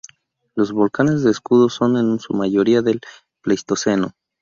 Los volcanes de escudo son en su mayoría del Pleistoceno.